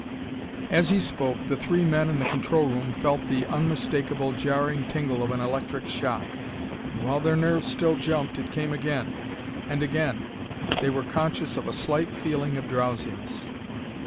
As he spoke, the three men in the control room felt the unmistakable, jarring tingle of an electric shock. And while their nerves still jumped, it came again; and again. They were conscious of a slight feeling of drowsiness.